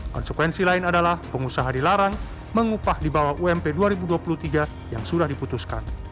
konsekuensi lain adalah pengusaha dilarang mengupah di bawah ump dua ribu dua puluh tiga yang sudah diputuskan